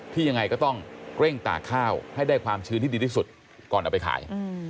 ยังไงก็ต้องเร่งตากข้าวให้ได้ความชื้นที่ดีที่สุดก่อนเอาไปขาย